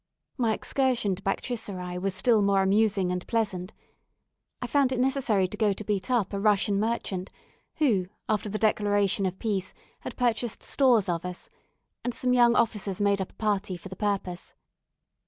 My excursion to Baktchiserai was still more amusing and pleasant. I found it necessary to go to beat up a Russian merchant, who, after the declaration of peace, had purchased stores of us, and some young officers made up a party for the purpose.